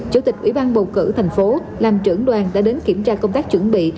chủ tịch ủy ban bầu cử tp hcm làm trưởng đoàn đã đến kiểm tra công tác chuẩn bị